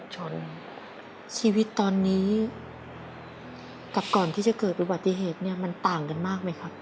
ชีวิตตอนนี้กับก่อนที่จะเกิดอุบัติเหตุเนี่ยมันต่างกันมากไหมครับ